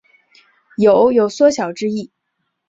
酉有缩小之意。